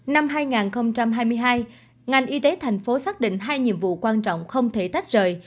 năm hai nghìn hai mươi hai ngành y tế thành phố xác định hai nhiệm vụ quan trọng không thể tách rời